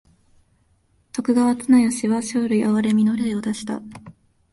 徳川綱吉は生類憐みの令を出した。